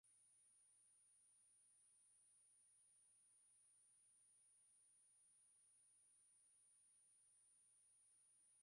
baada ya kumpindua Mfalme Idriss mwaka elfu moja mia tisa sitini na tisa aliibukia